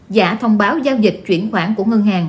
giả thông báo giao dịch chuyển khoản của ngân hàng